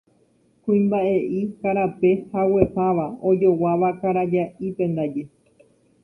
Kuimba'e'i karape, haguepáva, ojoguáva karaja'ípe ndaje.